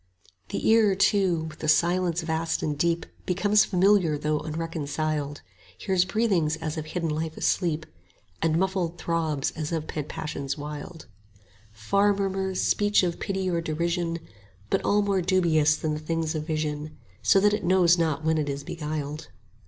The ear, too, with the silence vast and deep 15 Becomes familiar though unreconciled; Hears breathings as of hidden life asleep, And muffled throbs as of pent passions wild, Far murmurs, speech of pity or derision; but all more dubious than the things of vision, 20 So that it knows not when it is beguiled.